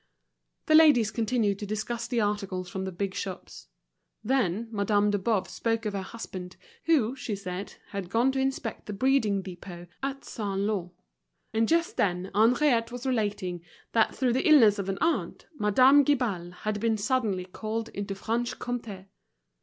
The ladies continued to discuss the articles from the big shops. Then Madame de Boves spoke of her husband, who, she said, had gone to inspect the breeding depot at Saint Lô; and just then Henriette was relating that through the illness of an aunt Madame Guibal had been suddenly called into Franche Comté.